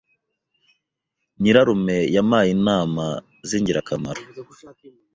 Nyirarume yampaye inama zingirakamaro.